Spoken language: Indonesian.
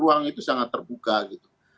ruang itu sangat terbuka gitu